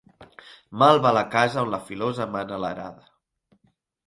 Mal va la casa on la filosa mana l'arada.